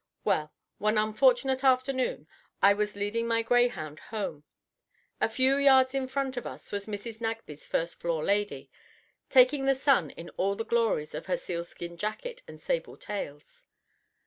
Well, one unfortunate afternoon, I was leading my greyhound home. A few yards in front of us was Mrs. Nagsby's first floor lady, taking the sun in all the glories of her sealskin jacket and sable tails.